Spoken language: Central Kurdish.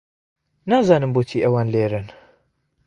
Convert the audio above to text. نازانم بۆچی ئەوان لێرەن.